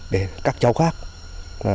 để các cháu khác được nâng bước